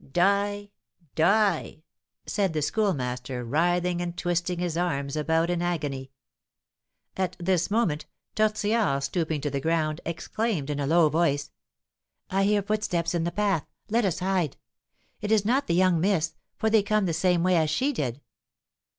die! die!" said the Schoolmaster, writhing and twisting his arms about in agony. At this moment, Tortillard, stooping to the ground, exclaimed, in a low voice: "I hear footsteps in the path; let us hide; it is not the young miss, for they come the same way as she did."